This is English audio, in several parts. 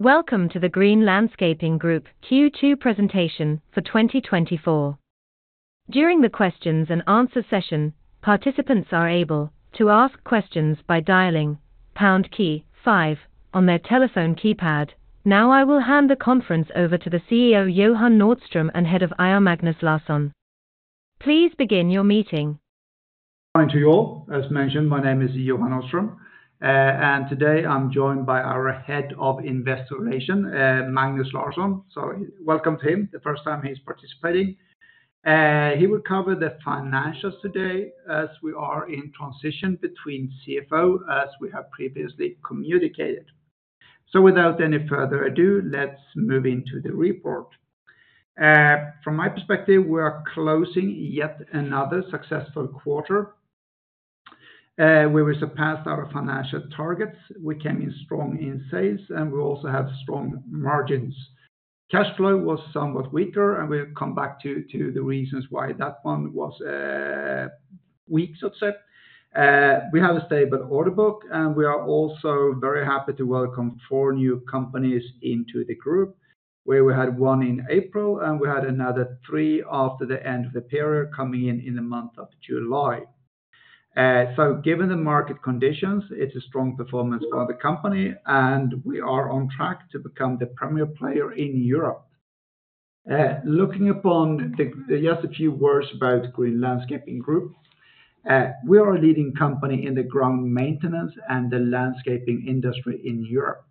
Welcome to the Green Landscaping Group Q2 presentation for 2024. During the questions and answers session, participants are able to ask questions by dialing pound key five on their telephone keypad. Now, I will hand the conference over to the CEO, Johan Nordström, and Head of IR, Magnus Larsson. Please begin your meeting. Good morning to you all. As mentioned, my name is Johan Nordström, and today I'm joined by our Head of Investor Relations, Magnus Larsson. So welcome to him, the first time he's participating. He will cover the financials today as we are in transition between CFO, as we have previously communicated. So without any further ado, let's move into the report. From my perspective, we are closing yet another successful quarter, where we surpassed our financial targets. We came in strong in sales, and we also have strong margins. Cash flow was somewhat weaker, and we'll come back to the reasons why that one was weak, so to say. We have a stable order book, and we are also very happy to welcome four new companies into the group, where we had one in April, and we had another three after the end of the period coming in, in the month of July, so given the market conditions, it's a strong performance for the company, and we are on track to become the premier player in Europe. Just a few words about Green Landscaping Group. We are a leading company in the ground maintenance and the landscaping industry in Europe.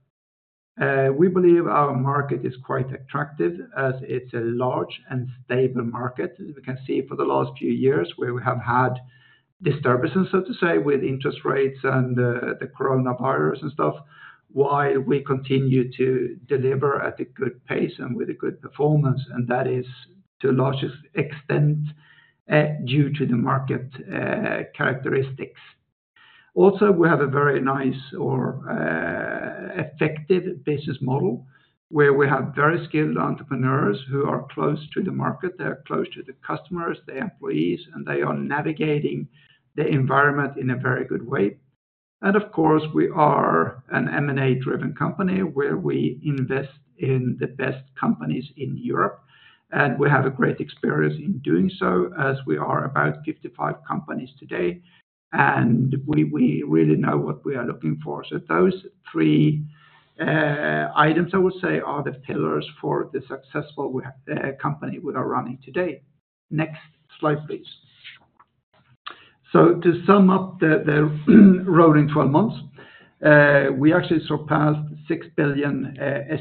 We believe our market is quite attractive as it's a large and stable market. As we can see for the last few years, where we have had disturbances, so to say, with interest rates and the coronavirus and stuff, while we continue to deliver at a good pace and with a good performance, and that is to a largest extent due to the market characteristics. Also, we have a very nice or effective business model, where we have very skilled entrepreneurs who are close to the market, they are close to the customers, the employees, and they are navigating the environment in a very good way, and of course, we are an M&A-driven company, where we invest in the best companies in Europe, and we have a great experience in doing so, as we are about fifty-five companies today, and we really know what we are looking for. So those three items, I would say, are the pillars for the successful company we are running today. Next slide, please. So to sum up the rolling 12 months, we actually surpassed 6 billion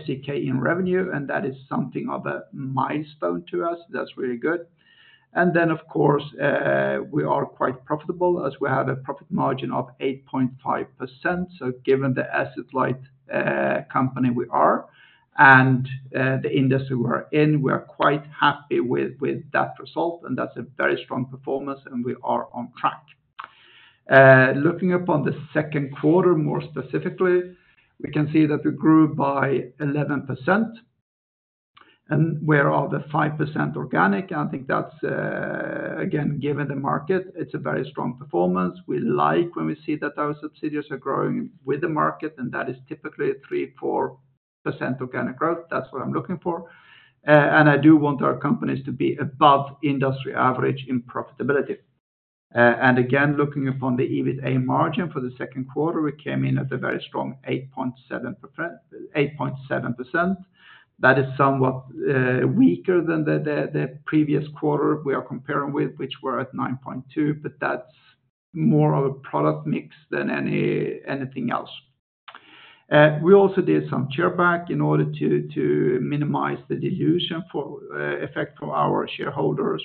SEK in revenue, and that is something of a milestone to us. That's really good. And then, of course, we are quite profitable, as we have a profit margin of 8.5%. So given the asset-light company we are and the industry we are in, we are quite happy with that result, and that's a very strong performance, and we are on track. Looking upon the second quarter, more specifically, we can see that we grew by 11%, of which 5% organic. I think that's again, given the market, it's a very strong performance. We like when we see that our subsidiaries are growing with the market, and that is typically a 3%-4% organic growth. That's what I'm looking for, and I do want our companies to be above industry average in profitability. And again, looking upon the EBITA margin for the second quarter, we came in at a very strong 8.7%, 8.7%. That is somewhat weaker than the previous quarter we are comparing with, which were at 9.2%, but that's more of a product mix than anything else. We also did some share buyback in order to minimize the dilution effect for our shareholders.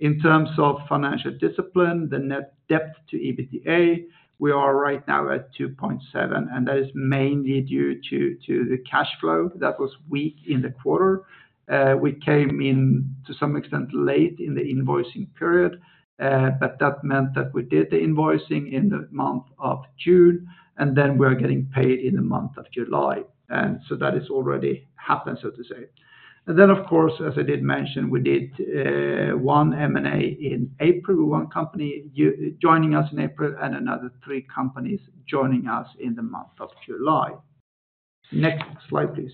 In terms of financial discipline, the net debt to EBITA, we are right now at 2.7, and that is mainly due to the cash flow that was weak in the quarter. We came in, to some extent, late in the invoicing period, but that meant that we did the invoicing in the month of June, and then we are getting paid in the month of July, and so that has already happened, so to say. And then, of course, as I did mention, we did one M&A in April, one company joining us in April and another three companies joining us in the month of July. Next slide, please.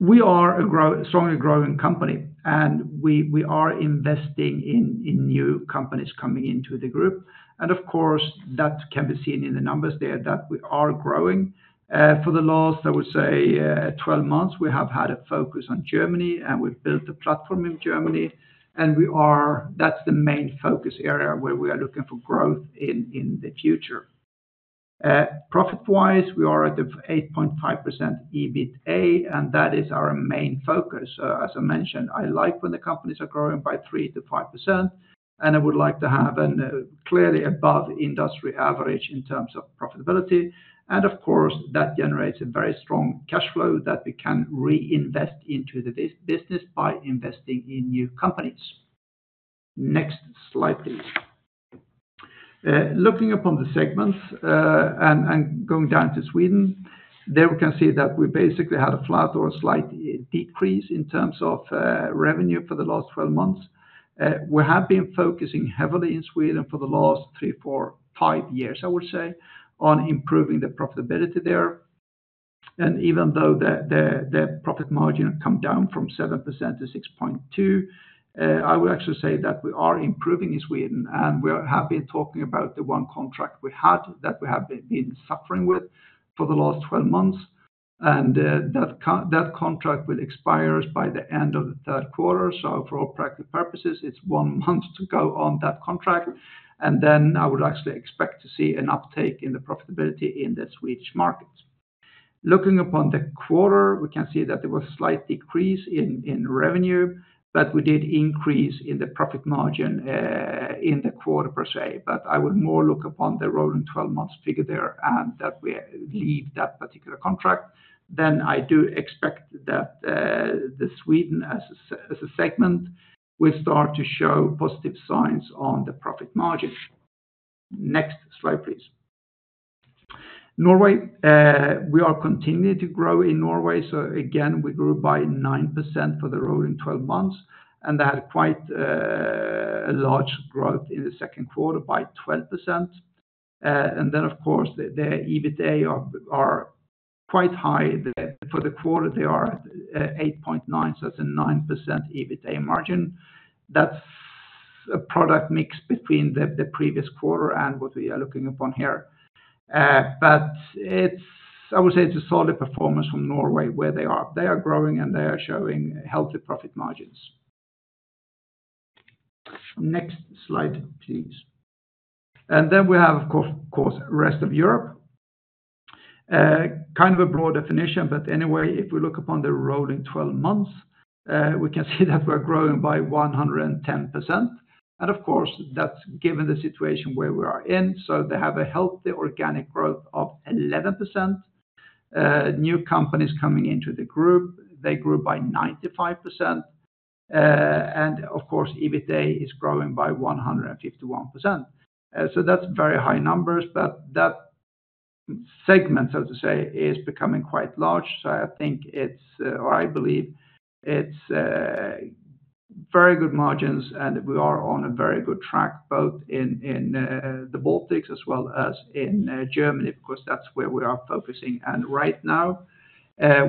We are a strongly growing company, and we are investing in new companies coming into the group. And of course, that can be seen in the numbers there, that we are growing. For the last, I would say, 12 months, we have had a focus on Germany, and we've built a platform in Germany, and that's the main focus area where we are looking for growth in the future. Profit-wise, we are at the 8.5% EBITA, and that is our main focus. As I mentioned, I like when the companies are growing by 3%-5%, and I would like to have a clearly above industry average in terms of profitability. And of course, that generates a very strong cash flow that we can reinvest into the business by investing in new companies. Next slide, please. Looking upon the segments, and going down to Sweden. There we can see that we basically had a flat or a slight decrease in terms of revenue for the last twelve months. We have been focusing heavily in Sweden for the last three, four, five years, I would say, on improving the profitability there. Even though the profit margin come down from 7%-6.2%, I would actually say that we are improving in Sweden, and we have been talking about the one contract we had that we have been suffering with for the last twelve months. That contract will expire by the end of the third quarter, so for all practical purposes, it's one month to go on that contract. Then I would actually expect to see an uptake in the profitability in the Swedish markets. Looking upon the quarter, we can see that there was a slight decrease in revenue, but we did increase in the profit margin in the quarter per se, but I would more look upon the rolling twelve months figure there, and that we leave that particular contract, then I do expect that the Sweden as a segment will start to show positive signs on the profit margin. Next slide, please. Norway, we are continuing to grow in Norway, so again, we grew by 9% for the rolling twelve months, and they had quite a large growth in the second quarter by 12%. And then, of course, the EBITA are quite high. For the quarter, they are 8.9, so that's a 9% EBITA margin. That's a product mix between the previous quarter and what we are looking upon here. But it's. I would say it's a solid performance from Norway, where they are. They are growing, and they are showing healthy profit margins. Next slide, please, and then we have, of course, of course, Rest of Europe. Kind of a broad definition, but anyway, if we look upon the rolling twelve months, we can see that we're growing by 110%. And of course, that's given the situation where we are in, so they have a healthy organic growth of 11%. New companies coming into the group, they grew by 95%. And of course, EBITA is growing by 151%. So that's very high numbers, but that segment, so to say, is becoming quite large. So I think it's or I believe it's very good margins, and we are on a very good track, both in the Baltics as well as in Germany, because that's where we are focusing. And right now,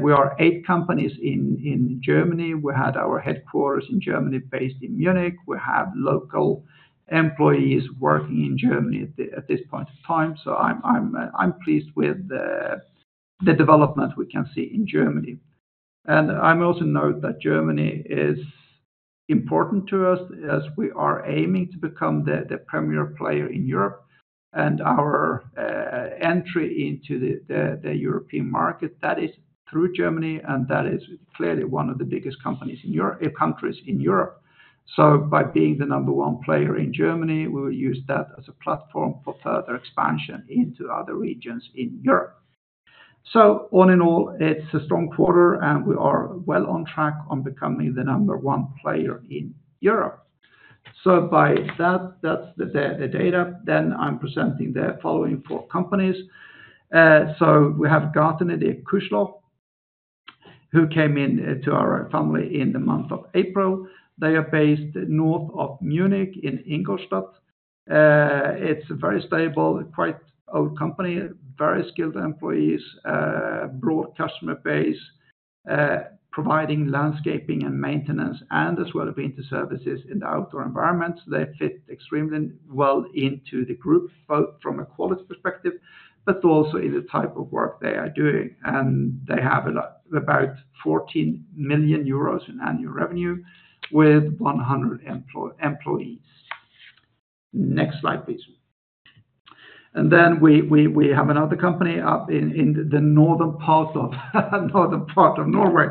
we have eight companies in Germany. We have our headquarters in Germany, based in Munich. We have local employees working in Germany at this point in time, so I'm pleased with the development we can see in Germany. And I also note that Germany is important to us, as we are aiming to become the premier player in Europe, and our entry into the European market, that is through Germany, and that is clearly one of the biggest countries in Europe. So by being the number one player in Germany, we will use that as a platform for further expansion into other regions in Europe. So all in all, it's a strong quarter, and we are well on track on becoming the number one player in Europe. So by that, that's the data. Then I'm presenting the following four companies. So we have Gartenidee Kuchler, who came in to our family in the month of April. They are based north of Munich in Ingolstadt. It's a very stable, quite old company, very skilled employees, broad customer base, providing landscaping and maintenance, and as well as winter services in the outdoor environment. So they fit extremely well into the group, both from a quality perspective, but also in the type of work they are doing. They have about 14 million euros in annual revenue with 100 employees. Next slide, please. Then we have another company up in the northern part of Norway.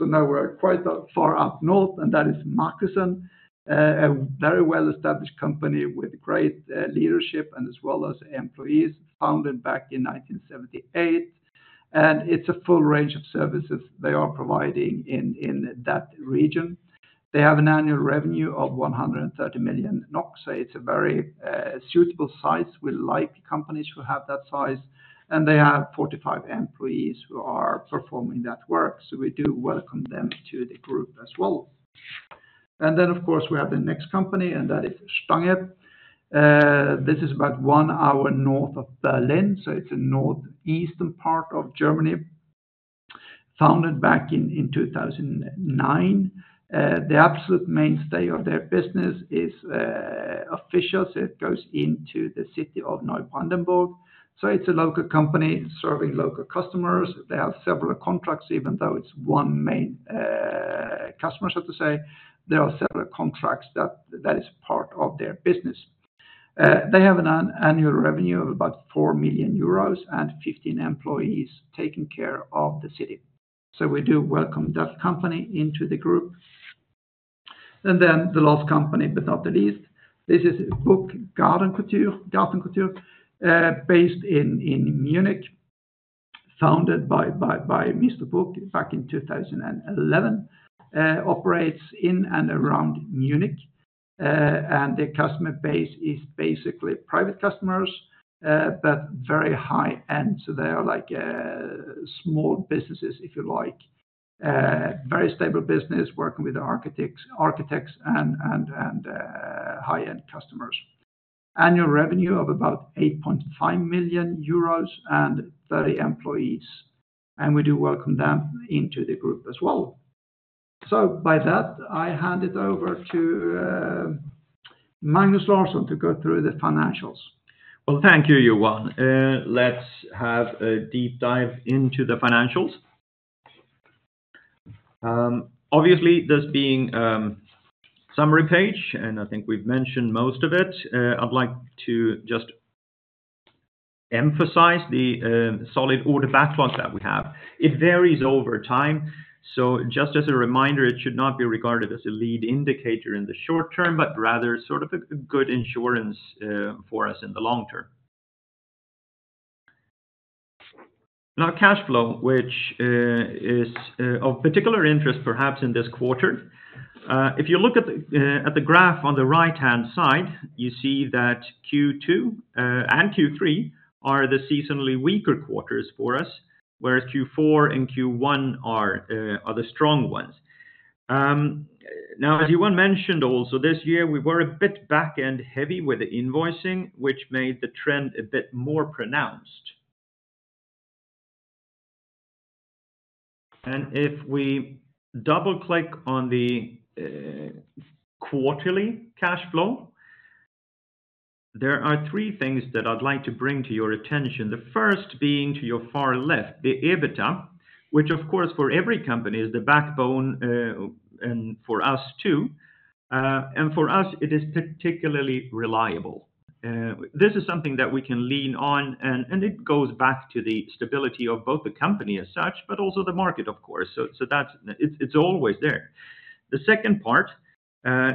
Now we're quite far up north, and that is Markussen, a very well-established company with great leadership and as well as employees, founded back in 1978, and it's a full range of services they are providing in that region. They have an annual revenue of 130 million NOK, so it's a very suitable size. We like companies who have that size, and they have 45 employees who are performing that work. So we do welcome them to the group as well. Then, of course, we have the next company, and that is Stange. This is about one hour north of Berlin, so it's in northeastern part of Germany. Founded back in 2009, the absolute mainstay of their business is officials. It goes into the city of Neubrandenburg, so it's a local company serving local customers. They have several contracts, even though it's one main customer, so to say, there are several contracts that is part of their business. They have an annual revenue of about 4 million euros and 15 employees taking care of the city. So we do welcome that company into the group. And then the last company, but not the least, this is Gartencouture, based in Munich, founded by Mr. Buch back in 2011, operates in and around Munich. The customer base is basically private customers, but very high-end, so they are like small businesses, if you like. Very stable business, working with the architects and high-end customers. Annual revenue of about 8.5 million euros and 30 employees, and we do welcome them into the group as well. By that, I hand it over to Magnus Larsson to go through the financials. Thank you, Johan. Let's have a deep dive into the financials. Obviously, this being summary page, and I think we've mentioned most of it, I'd like to just emphasize the solid order backlog that we have. It varies over time, so just as a reminder, it should not be regarded as a lead indicator in the short term, but rather sort of a good insurance for us in the long term. Now, cash flow, which is of particular interest, perhaps in this quarter. If you look at the graph on the right-hand side, you see that Q2 and Q3 are the seasonally weaker quarters for us, whereas Q4 and Q1 are the strong ones. Now, as Johan mentioned also, this year, we were a bit back-end heavy with the invoicing, which made the trend a bit more pronounced, and if we double-click on the quarterly cash flow, there are three things that I'd like to bring to your attention. The first being to your far left, the EBITDA, which of course, for every company is the backbone, and for us, too, and for us, it is particularly reliable. This is something that we can lean on, and it goes back to the stability of both the company as such, but also the market, of course. So that's it. It's always there. The second part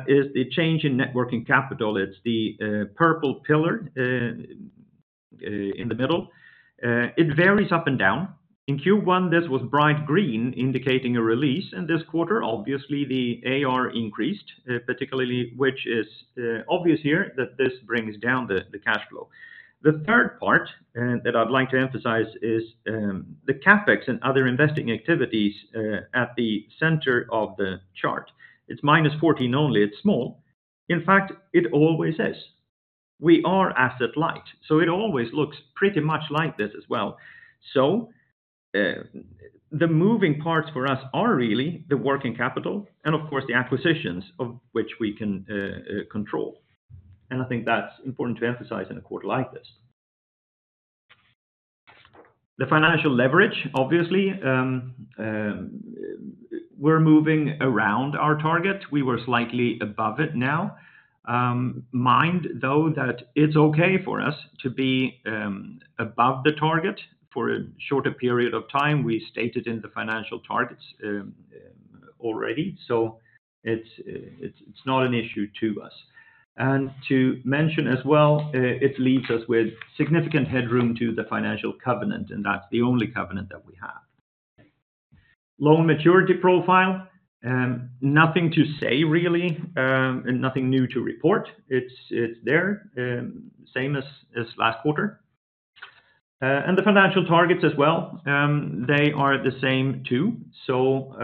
is the change in working capital. It's the purple pillar in the middle. It varies up and down. In Q1, this was bright green, indicating a release, and this quarter obviously, the AR increased particularly which is obvious here, that this brings down the cash flow. The third part that I'd like to emphasize is the CapEx and other investing activities at the center of the chart. It's -14 only. It's small. In fact, it always is. We are asset-light, so it always looks pretty much like this as well. So, the moving parts for us are really the working capital and of course, the acquisitions of which we can control. And I think that's important to emphasize in a quarter like this. The financial leverage, obviously, we're moving around our target. We were slightly above it now. Mind though that it's okay for us to be above the target for a shorter period of time. We stated in the financial targets already, so it's not an issue to us, and to mention as well, it leaves us with significant headroom to the financial covenant, and that's the only covenant that we have. Loan maturity profile, nothing to say really, and nothing new to report. It's there, same as last quarter, and the financial targets as well, they are the same too, so,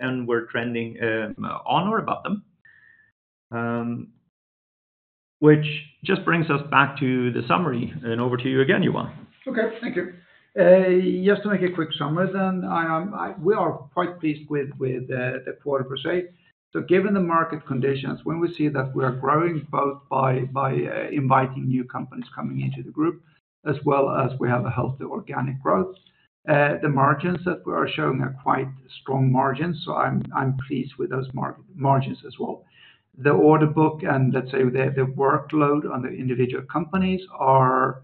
and we're trending on or about them, which just brings us back to the summary, and over to you again, Johan. Okay. Thank you. Just to make a quick summary, then, I. We are quite pleased with the quarter per se. So given the market conditions, when we see that we are growing both by inviting new companies coming into the group, as well as we have a healthy organic growth, the margins that we are showing are quite strong margins, so I'm pleased with those margins as well. The order book and, let's say, the workload on the individual companies are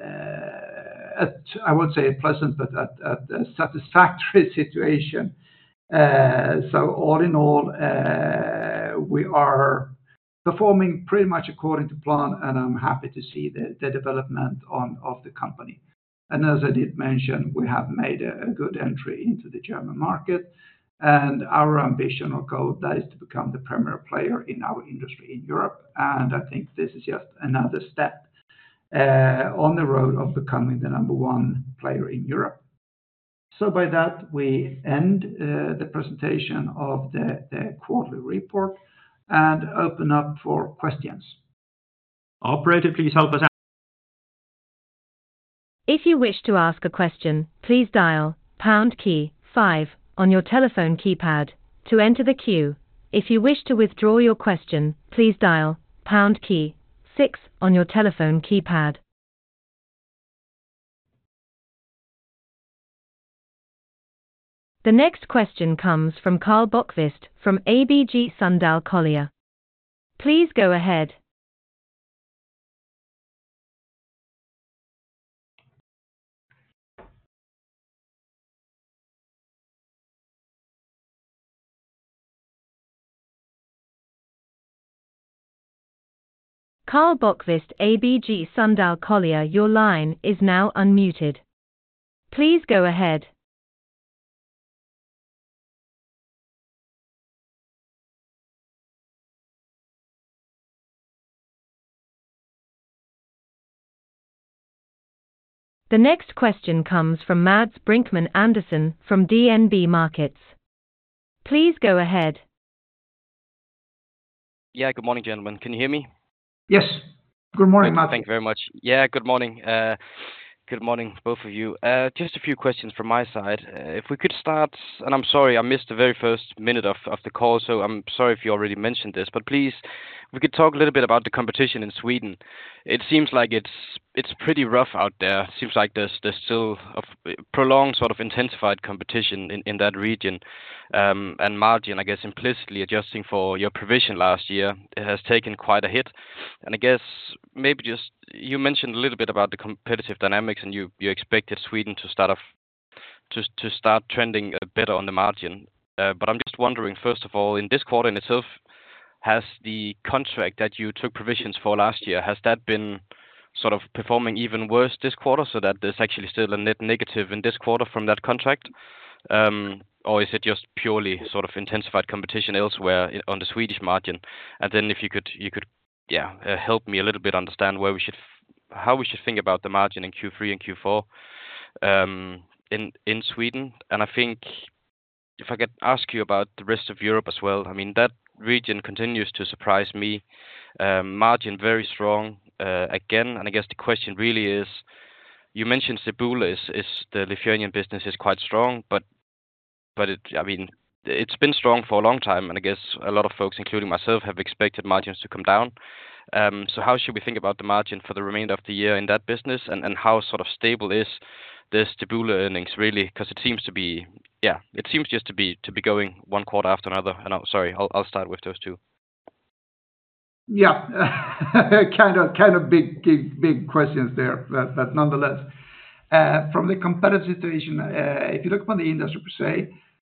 at, I would say, pleasant, but at a satisfactory situation. So all in all, we are performing pretty much according to plan, and I'm happy to see the development of the company. And as I did mention, we have made a good entry into the German market, and our ambition or goal, that is to become the premier player in our industry in Europe. And I think this is just another step on the road of becoming the number one player in Europe. So by that, we end the presentation of the quarterly report and open up for questions. Operator, please help us out. If you wish to ask a question, please dial pound key five on your telephone keypad to enter the queue. If you wish to withdraw your question, please dial pound key six on your telephone keypad. The next question comes from Karl Bokvist from ABG Sundal Collier. Please go ahead Karl Bokvist, ABG Sundal Collier, your line is now unmuted. Please go ahead. The next question comes from Mads Brinkmann Andersen from DNB Markets. Please go ahead. Yeah, good morning, gentlemen. Can you hear me? Yes. Good morning, Mads. Thank you very much. Yeah, good morning. Good morning, both of you. Just a few questions from my side. If we could start, and I'm sorry, I missed the very first minute of the call, so I'm sorry if you already mentioned this, but please, if we could talk a little bit about the competition in Sweden. It seems like it's pretty rough out there. Seems like there's still a prolonged, sort of intensified competition in that region, and margin, I guess, implicitly adjusting for your provision last year, it has taken quite a hit, and I guess maybe just you mentioned a little bit about the competitive dynamics, and you expected Sweden to start trending a bit on the margin. But I'm just wondering, first of all, in this quarter in itself, has the contract that you took provisions for last year, has that been sort of performing even worse this quarter, so that there's actually still a net negative in this quarter from that contract? Or is it just purely sort of intensified competition elsewhere on the Swedish margin? And then if you could help me a little bit understand how we should think about the margin in Q3 and Q4 in Sweden. And I think if I could ask you about the Rest of Europe as well. I mean, that region continues to surprise me. Margin very strong, again, and I guess the question really is, you mentioned Stebule is the Lithuanian business is quite strong, but it, I mean, it's been strong for a long time, and I guess a lot of folks, including myself, have expected margins to come down. So how should we think about the margin for the remainder of the year in that business, and how sort of stable is the Stebule earnings, really? Because it seems to be. Yeah, it seems just to be going one quarter after another. And I'm sorry, I'll start with those two. Yeah. Kind of big questions there, but nonetheless, from the competitive situation, if you look upon the industry, per se,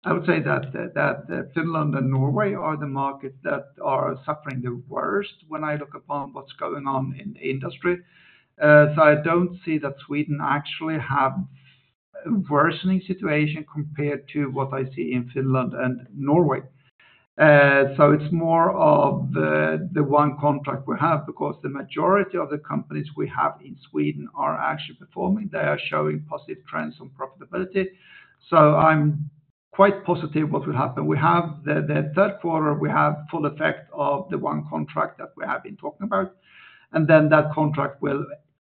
I would say that Finland and Norway are the markets that are suffering the worst when I look upon what's going on in the industry. So I don't see that Sweden actually have a worsening situation compared to what I see in Finland and Norway. So it's more of the one contract we have, because the majority of the companies we have in Sweden are actually performing. They are showing positive trends on profitability. So I'm quite positive what will happen. We have the third quarter, we have full effect of the one contract that we have been talking about, and then that contract will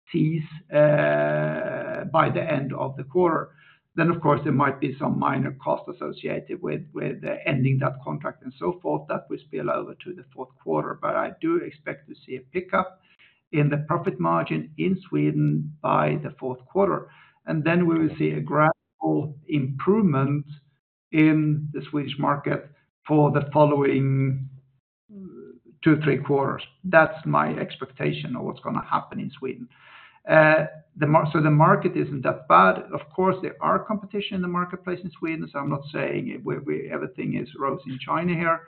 cease by the end of the quarter. Of course, there might be some minor cost associated with ending that contract and so forth, that will spill over to the fourth quarter. I do expect to see a pickup in the profit margin in Sweden by the fourth quarter. We will see a gradual improvement in the Swedish market for the following two, three quarters. That is my expectation of what is going to happen in Sweden. The market is not that bad. There is competition in the marketplace in Sweden, so I am not saying everything is rosy in China here.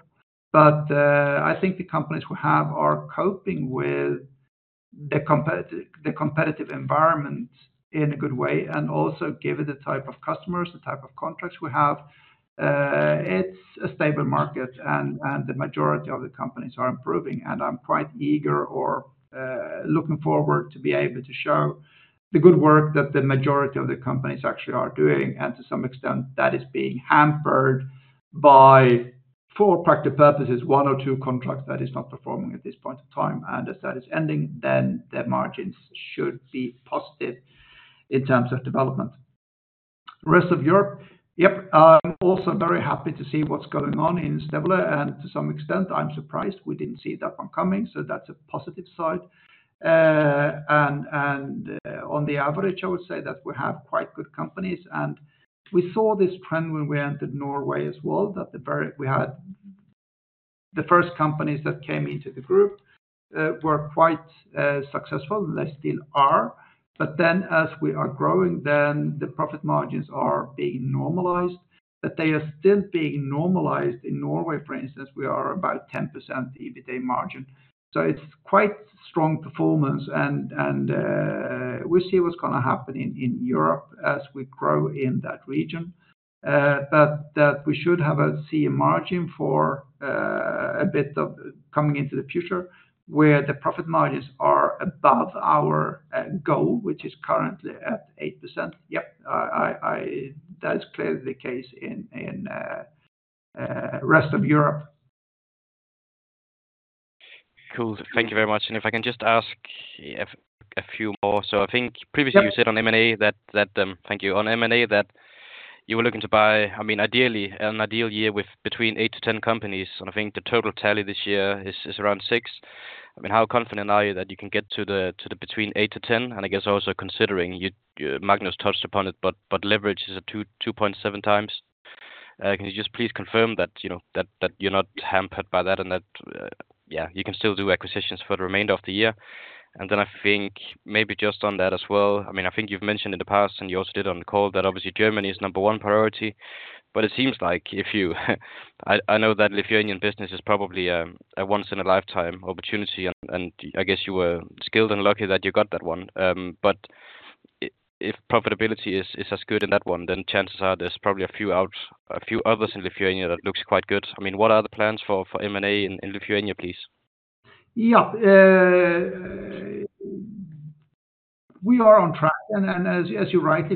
I think the companies we have are coping with the competitive environment in a good way, and also given the type of customers, the type of contracts we have, it is a stable market and the majority of the companies are improving. And I'm quite eager, looking forward to be able to show the good work that the majority of the companies actually are doing, and to some extent that is being hampered by, for practical purposes, one or two contracts that is not performing at this point in time. And as that is ending, then the margins should be positive in terms of development. Rest of Europe, yep, I'm also very happy to see what's going on in Stebule, and to some extent, I'm surprised we didn't see that one coming, so that's a positive side. On the average, I would say that we have quite good companies, and we saw this trend when we entered Norway as well, that the very. We had the first companies that came into the group were quite successful, and they still are. But then as we are growing, then the profit margins are being normalized, but they are still being normalized. In Norway, for instance, we are about 10% EBITA margin, so it's quite strong performance and we see what's gonna happen in Europe as we grow in that region. But that we should have a similar margin for a bit of coming into the future, where the profit margins are above our goal, which is currently at 8%. Yep, that is clearly the case in Rest of Europe. Cool. Thank you very much. And if I can just ask a few more. So I think previously- Yeah You said on M&A. Thank you. On M&A, that you were looking to buy, I mean, ideally, in an ideal year with between eight to ten companies, and I think the total tally this year is around six. I mean, how confident are you that you can get to the between eight to ten? And I guess also considering you, Magnus touched upon it, leverage is at two point seven times. Can you just please confirm that, you know, you're not hampered by that and that yeah, you can still do acquisitions for the remainder of the year? And then I think maybe just on that as well, I mean, I think you've mentioned in the past, and you also did on the call, that obviously Germany is number one priority. But it seems like if you, I know that Lithuanian business is probably a once in a lifetime opportunity, and I guess you were skilled and lucky that you got that one. But if profitability is as good in that one, then chances are there's probably a few others in Lithuania that looks quite good. I mean, what are the plans for M&A in Lithuania, please? Yeah. We are on track, and then as you rightly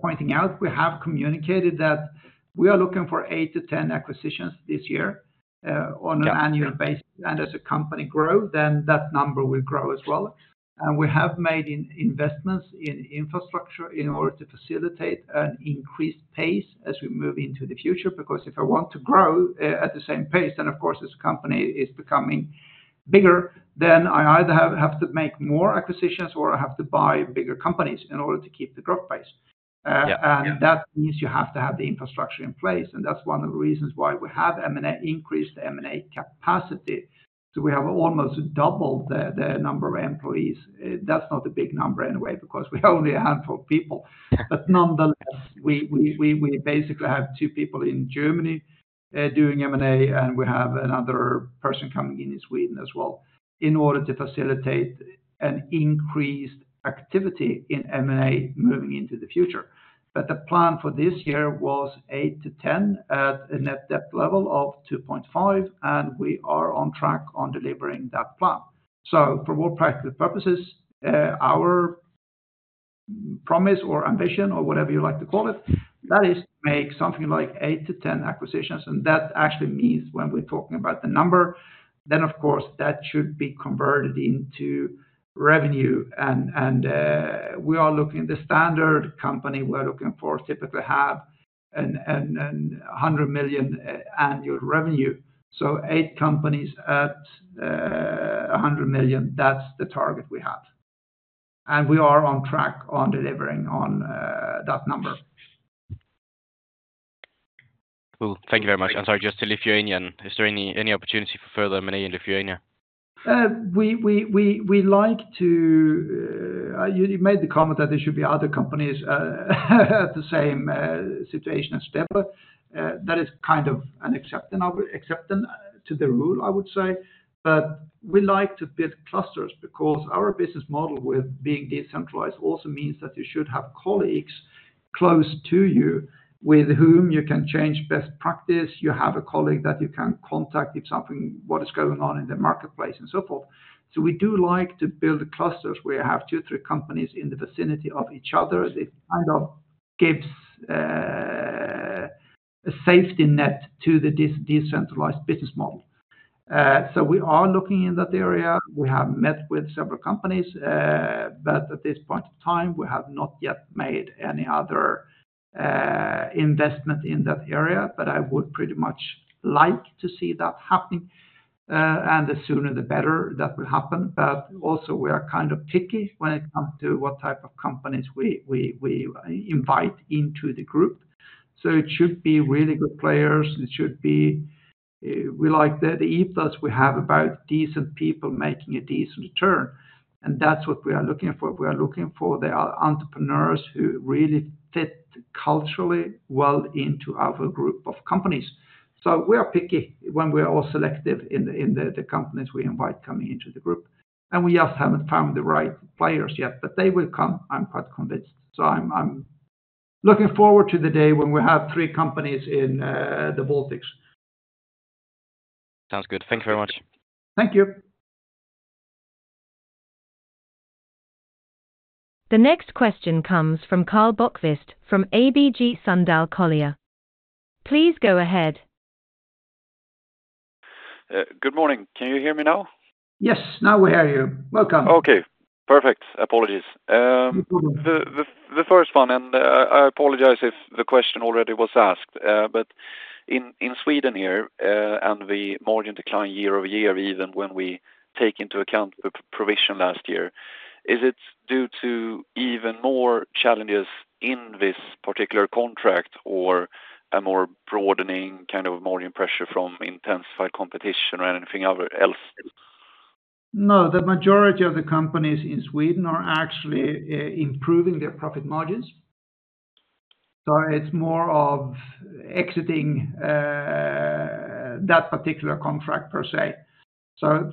pointing out, we have communicated that we are looking for 8-10 acquisitions this year. Yeah. On an annual basis. And as the company grow, then that number will grow as well. And we have made investments in infrastructure in order to facilitate an increased pace as we move into the future. Because if I want to grow at the same pace, then, of course, this company is becoming bigger, then I either have to make more acquisitions, or I have to buy bigger companies in order to keep the growth pace. Yeah. And that means you have to have the infrastructure in place, and that's one of the reasons why we have M&A, increased M&A capacity. So we have almost doubled the number of employees. That's not a big number anyway, because we're only a handful of people. But nonetheless, we basically have two people in Germany doing M&A, and we have another person coming in Sweden as well, in order to facilitate an increased activity in M&A moving into the future. But the plan for this year was 8-10 at a net debt level of 2.5, and we are on track on delivering that plan. So for all practical purposes, our promise or ambition, or whatever you like to call it, that is to make something like eight to 10 acquisitions, and that actually means when we're talking about the number, then, of course, that should be converted into revenue. And we are looking. The standard company we're looking for typically have a 100 million annual revenue. So eight companies at a 100 million, that's the target we have. We are on track on delivering on that number. Cool. Thank you very much. I'm sorry, just to Lithuania, is there any opportunity for further M&A in Lithuania? We like to. You made the comment that there should be other companies at the same situation as Stebule. That is kind of an exception to the rule, I would say, but we like to build clusters because our business model with being decentralized also means that you should have colleagues close to you, with whom you can change best practice. You have a colleague that you can contact if something, what is going on in the marketplace and so forth, so we do like to build clusters, where you have two, three companies in the vicinity of each other. It kind of gives a safety net to the decentralized business model, so we are looking in that area. We have met with several companies, but at this point in time, we have not yet made any other investment in that area. But I would pretty much like to see that happening, and the sooner, the better that will happen. But also, we are kind of picky when it comes to what type of companies we invite into the group. So it should be really good players, it should be. We like the ethos we have about decent people making a decent return, and that's what we are looking for. We are looking for the entrepreneurs who really fit culturally well into our group of companies. So we are picky when we're all selective in the companies we invite coming into the group, and we just haven't found the right players yet, but they will come, I'm quite convinced. So I'm looking forward to the day when we have three companies in the Baltics. Sounds good. Thank you very much. Thank you. The next question comes from Karl Bokvist from ABG Sundal Collier. Please go ahead. Good morning. Can you hear me now? Yes. Now we hear you. Welcome. Okay, perfect. Apologies. No problem. The first one, and I apologize if the question already was asked, but in Sweden here, and the margin decline year over year, even when we take into account the provision last year, is it due to even more challenges in this particular contract or a more broadening kind of margin pressure from intensified competition or anything else? No, the majority of the companies in Sweden are actually improving their profit margins, so it's more of exiting that particular contract per se. So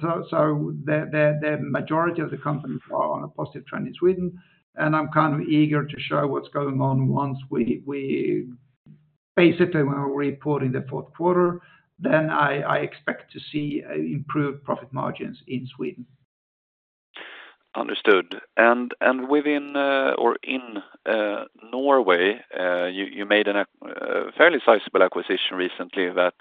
the majority of the companies are on a positive trend in Sweden, and I'm kind of eager to show what's going on once we. Basically, when we're reporting the fourth quarter, then I expect to see improved profit margins in Sweden. Understood, and within or in Norway, you made a fairly sizable acquisition recently that,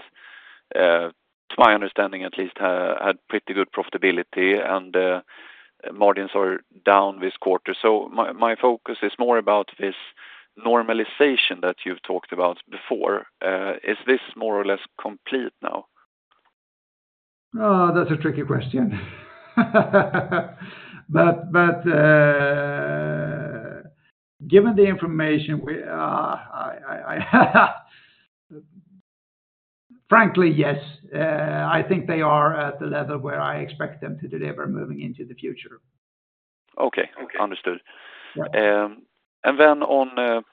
to my understanding at least, had pretty good profitability, and margins are down this quarter. So my focus is more about this normalization that you've talked about before. Is this more or less complete now? That's a tricky question. But, given the information, I frankly, yes, I think they are at the level where I expect them to deliver moving into the future. Okay, understood. And then on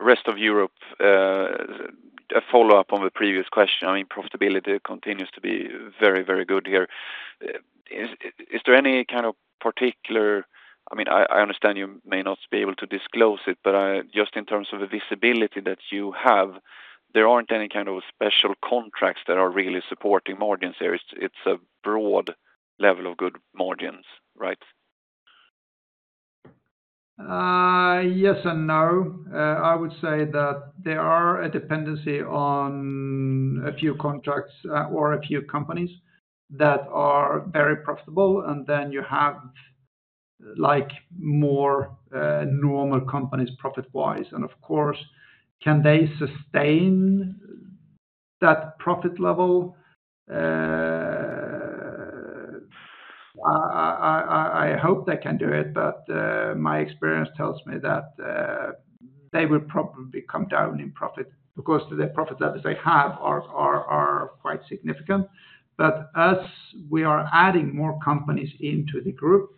Rest of Europe, a follow-up on the previous question, I mean, profitability continues to be very, very good here. Is there any kind of particular, I mean, I understand you may not be able to disclose it, but just in terms of the visibility that you have, there aren't any kind of special contracts that are really supporting margins there, it's a broad level of good margins, right? Yes and no. I would say that there is a dependence on a few contracts, or a few companies that are very profitable, and then you have, like, more normal companies, profit-wise. And of course, can they sustain that profit level? I hope they can do it, but my experience tells me that they will probably come down in profit because the profit levels they have are quite significant. But as we are adding more companies into the group,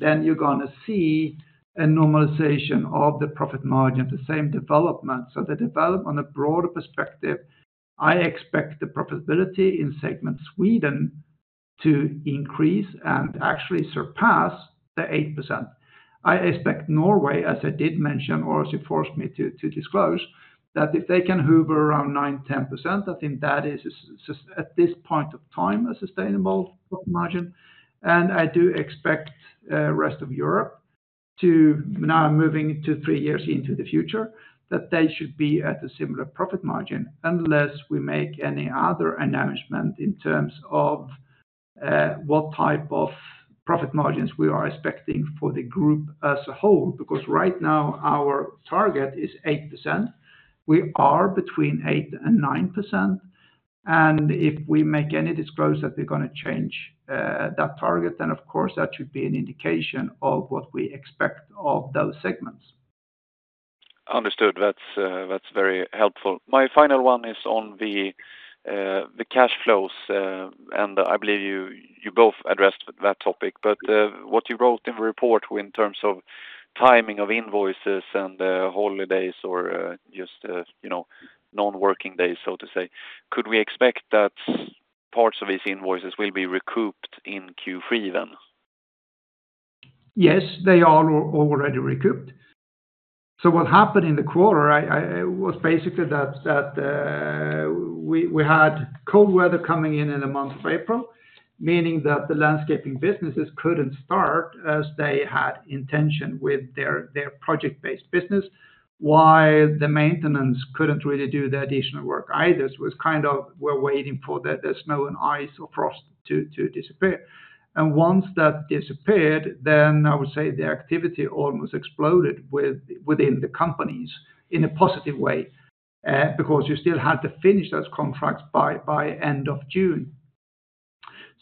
then you're gonna see a normalization of the profit margin, the same development. So the development on a broader perspective, I expect the profitability in segment Sweden to increase and actually surpass the 8%. I expect Norway, as I did mention, or as you forced me to, to disclose, that if they can hover around 9%-10%, I think that is at this point of time, a sustainable profit margin. And I do expect, Rest of Europe to now moving two, three years into the future, that they should be at a similar profit margin, unless we make any other announcement in terms of, what type of profit margins we are expecting for the group as a whole. Because right now our target is 8%. We are between 8% and 9%, and if we make any disclose that we're gonna change, that target, then, of course, that should be an indication of what we expect of those segments. Understood. That's very helpful. My final one is on the cash flows, and I believe you both addressed that topic, but what you wrote in the report in terms of timing of invoices and holidays or just, you know, non-working days, so to say, could we expect that parts of these invoices will be recouped in Q3 then? Yes, they are already recouped. So what happened in the quarter was basically that we had cold weather coming in in the month of April, meaning that the landscaping businesses couldn't start as they had intention with their project-based business, while the maintenance couldn't really do the additional work either. It was kind of we're waiting for the snow and ice or frost to disappear. And once that disappeared, then I would say the activity almost exploded within the companies in a positive way, because you still had to finish those contracts by end of June.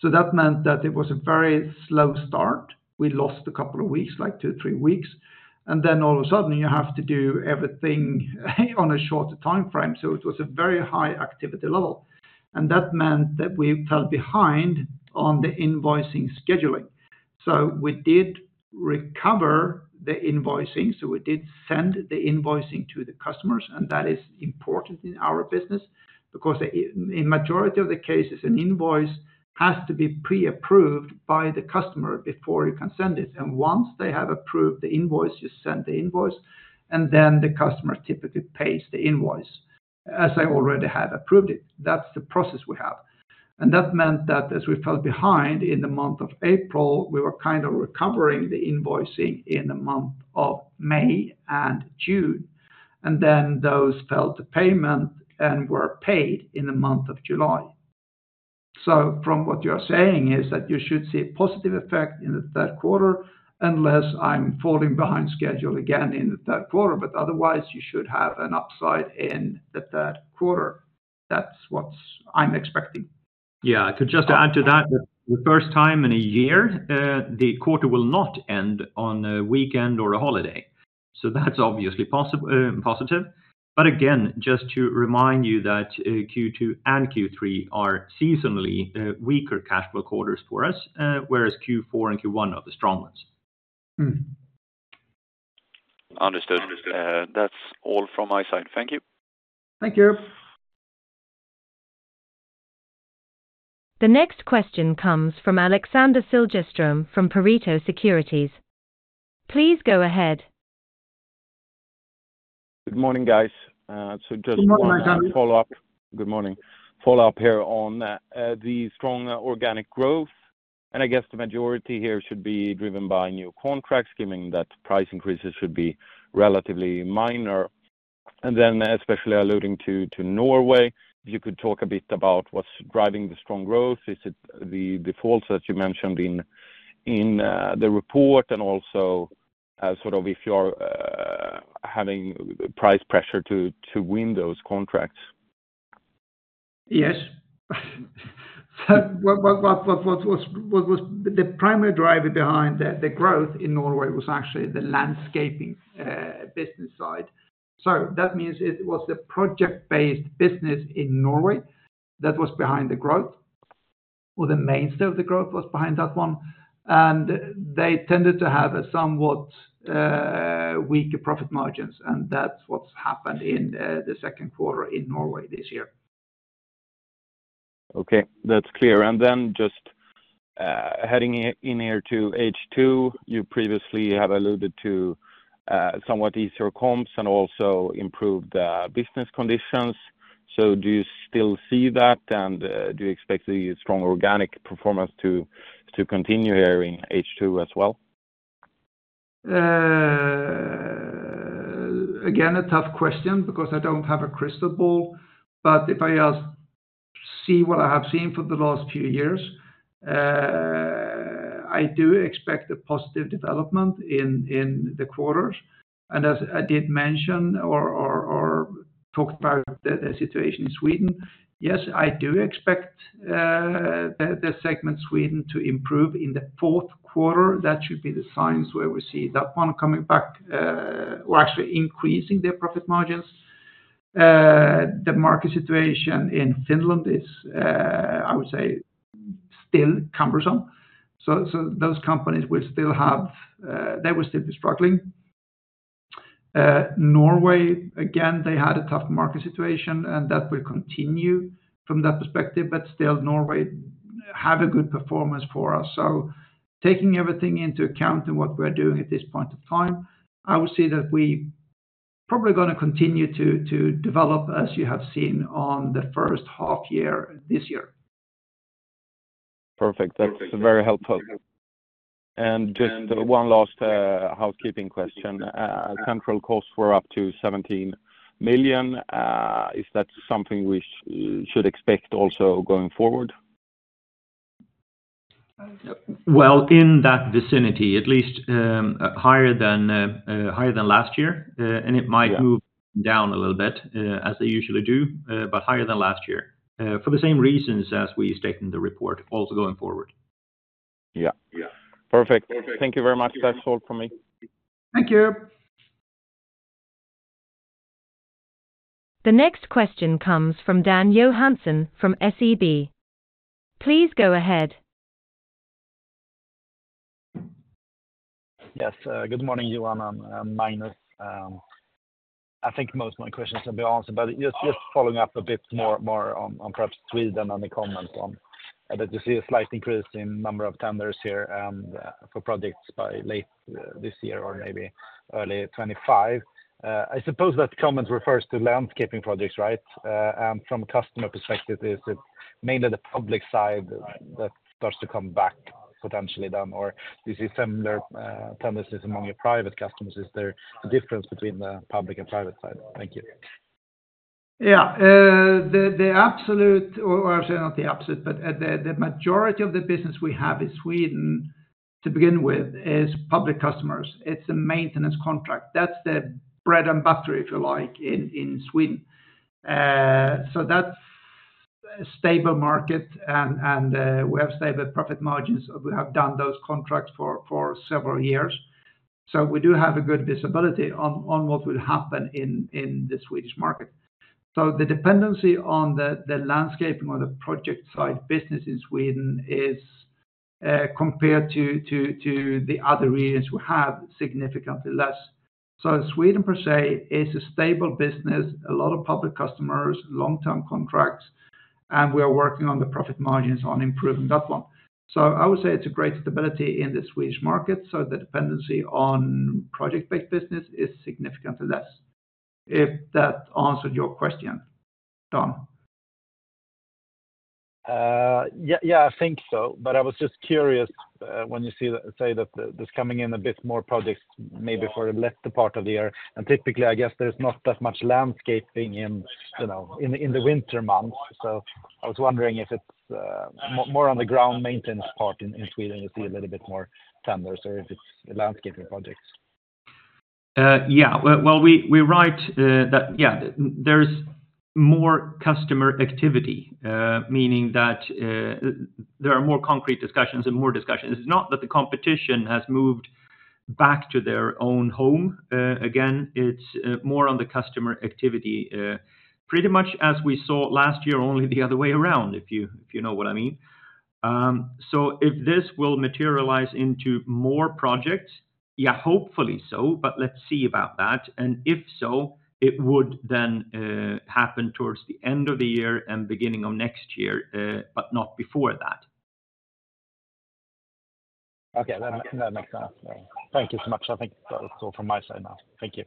So that meant that it was a very slow start. We lost a couple of weeks, like two, three weeks, and then all of a sudden, you have to do everything on a shorter time frame. So it was a very high activity level, and that meant that we fell behind on the invoicing scheduling. So we did recover the invoicing, so we did send the invoicing to the customers, and that is important in our business because in majority of the cases, an invoice has to be pre-approved by the customer before you can send it. And once they have approved the invoice, you send the invoice, and then the customer typically pays the invoice, as they already have approved it. That's the process we have. And that meant that as we fell behind in the month of April, we were kind of recovering the invoicing in the month of May and June, and then those fell to payment and were paid in the month of July. So from what you're saying is that you should see a positive effect in the third quarter, unless I'm falling behind schedule again in the third quarter, but otherwise, you should have an upside in the third quarter. That's what I'm expecting. Yeah. To just add to that, the first time in a year, the quarter will not end on a weekend or a holiday, so that's obviously positive. But again, just to remind you that, Q2 and Q3 are seasonally weaker cash flow quarters for us, whereas Q4 and Q1 are the strong ones. Understood. That's all from my side. Thank you. Thank you. The next question comes from Alexander Siljeström, from Pareto Securities. Please go ahead. Good morning, guys, so just. Good morning. Want to follow up. Good morning. Follow up here on the strong organic growth, and I guess the majority here should be driven by new contracts, given that price increases should be relatively minor, and then especially alluding to Norway, if you could talk a bit about what's driving the strong growth. Is it the tenders that you mentioned in the report, and also sort of if you're having price pressure to win those contracts? Yes. So what was the primary driver behind the growth in Norway was actually the landscaping business side. So that means it was the project-based business in Norway that was behind the growth, or the mainstay of the growth was behind that one. And they tended to have a somewhat weaker profit margins, and that's what's happened in the second quarter in Norway this year. Okay, that's clear. And then just, heading in here to H2, you previously have alluded to, somewhat easier comps and also improved, business conditions. So do you still see that, and, do you expect the strong organic performance to continue here in H2 as well? Again, a tough question because I don't have a crystal ball. But if I see what I have seen for the last few years, I do expect a positive development in the quarters. And as I did mention or talked about the situation in Sweden, yes, I do expect the segment Sweden to improve in the fourth quarter. That should be the signs where we see that one coming back, or actually increasing their profit margins. The market situation in Finland is, I would say, still cumbersome. So those companies will still have. They will still be struggling. Norway, again, they had a tough market situation, and that will continue from that perspective, but still Norway have a good performance for us. So taking everything into account and what we're doing at this point of time, I would say that we probably gonna continue to, to develop, as you have seen on the first half year, this year. Perfect. That's very helpful and just one last housekeeping question. Central costs were up to 17 million. Is that something we should expect also going forward? In that vicinity, at least, higher than last year. Yeah. It might move down a little bit, as they usually do, but higher than last year, for the same reasons as we state in the report, also going forward. Yeah. Perfect. Thank you very much. That's all from me. Thank you. The next question comes from Dan Johansson from SEB. Please go ahead. Yes, good morning, Johan and Magnus. I think most of my questions have been answered, but just following up a bit more on perhaps Sweden on the comment that you see a slight increase in number of tenders here and for projects by late this year or maybe early 2025. I suppose that comment refers to landscaping projects, right? And from a customer perspective, is it mainly the public side that starts to come back, potentially then, or do you see similar tendencies among your private customers? Is there a difference between the public and private side? Thank you. Yeah, the absolute, or actually not the absolute, but the majority of the business we have in Sweden, to begin with, is public customers. It's a maintenance contract. That's the bread and butter, if you like, in Sweden. So that's a stable market, and we have stable profit margins. We have done those contracts for several years. So we do have a good visibility on what will happen in the Swedish market. So the dependency on the landscaping or the project side business in Sweden is, compared to the other regions, we have significantly less. So Sweden, per se, is a stable business, a lot of public customers, long-term contracts, and we are working on the profit margins on improving that one. I would say it's a great stability in the Swedish market, so the dependency on project-based business is significantly less, if that answered your question, Dan. Yeah, yeah, I think so. But I was just curious, when you see that say that there's coming in a bit more projects, maybe for the latter part of the year, and typically, I guess there's not that much landscaping in, you know, in the winter months. So I was wondering if it's more on the ground maintenance part in Sweden, you see a little bit more tenders or if it's a landscaping projects. Yeah. Well, we write that there's more customer activity, meaning that there are more concrete discussions and more discussions. It's not that the competition has moved back to their own home. Again, it's more on the customer activity, pretty much as we saw last year, only the other way around, if you know what I mean. So if this will materialize into more projects, hopefully so, but let's see about that. And if so, it would then happen towards the end of the year and beginning of next year, but not before that. Okay. That makes sense. Thank you so much. I think that's all from my side now. Thank you.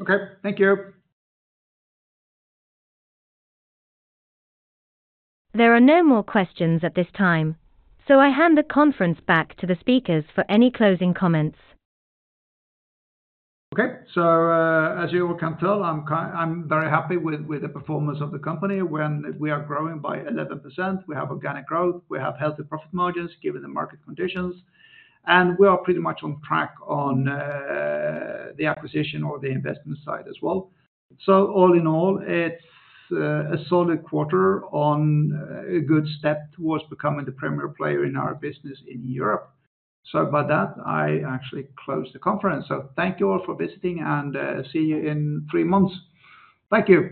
Okay. Thank you. There are no more questions at this time, so I hand the conference back to the speakers for any closing comments. Okay. So, as you all can tell, I'm very happy with the performance of the company. When we are growing by 11%, we have organic growth, we have healthy profit margins, given the market conditions, and we are pretty much on track on the acquisition or the investment side as well. So all in all, it's a solid quarter on a good step towards becoming the premier player in our business in Europe. So by that, I actually close the conference. So thank you all for visiting, and see you in three months. Thank you.